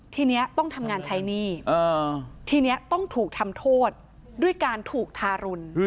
ทีนี้ต้องทำงานใช้หนี้ทีนี้ต้องถูกทำโทษด้วยการถูกทารุณ